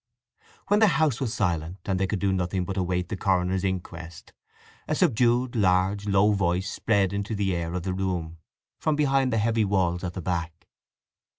When the house was silent, and they could do nothing but await the coroner's inquest, a subdued, large, low voice spread into the air of the room from behind the heavy walls at the back.